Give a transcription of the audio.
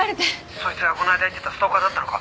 「そいつがこの間言ってたストーカーだったのか？」